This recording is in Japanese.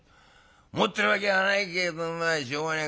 持ってるわけはないけれどお前しょうがねえ